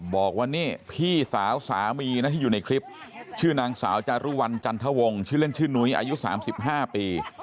บอกว่านี่พี่สาวสามีนะที่อยู่ในคลิปชื่อนางสาวจารุวัลจันทวงชื่อเล่นชื่อนุ้ยอายุ๓๕ปี